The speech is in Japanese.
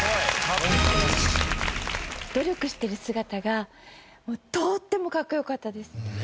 努力してる姿がとってもかっこよかったです。